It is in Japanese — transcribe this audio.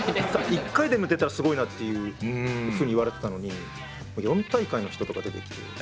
一回でも出たらすごいなっていうふうに言われてたのに４大会の人とか出てきてすごいなと思います。